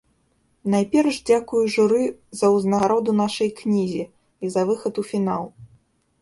Найперш дзякую журы за ўзнагароду нашай кнізе і за выхад у фінал.